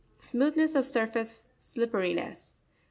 —Smoothness of surface, slipperiness.